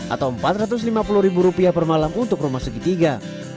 atau rp empat ratus lima puluh ribu rupiah per malam untuk rumah segitiga